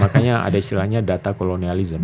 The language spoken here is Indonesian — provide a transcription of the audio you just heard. makanya ada istilahnya data kolonialism